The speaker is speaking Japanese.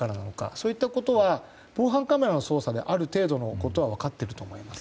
そういったことは防犯カメラの捜査である程度のことは分かっていると思います。